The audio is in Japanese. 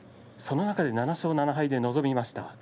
その中で７勝７敗で臨みました。